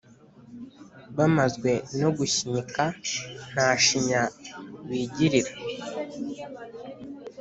Bamazwe no gushinyika Nta shinya bigirira.